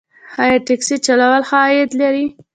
آیا ټکسي چلول ښه عاید لري؟